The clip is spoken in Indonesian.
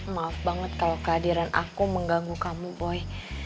maaf banget kalau kehadiran aku mengganggu kamu boy